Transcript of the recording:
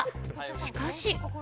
しかし。